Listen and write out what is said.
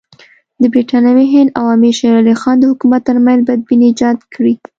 د برټانوي هند او امیر شېر علي خان د حکومت ترمنځ بدبیني ایجاد کړي.